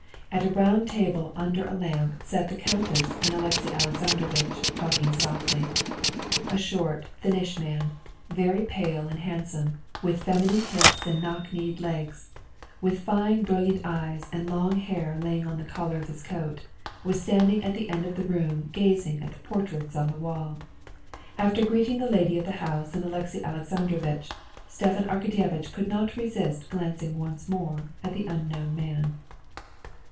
At a round table under a lamp sat the countess and Alexey Alexandrovitch, talking softly. A short, thinnish man, very pale and handsome, with feminine hips and knock kneed legs, with fine brilliant eyes and long hair lying on the collar of his coat, was standing at the end of the room gazing at the portraits on the wall. After greeting the lady of the house and Alexey Alexandrovitch, Stepan Arkadyevitch could not resist glancing once more at the unknown man.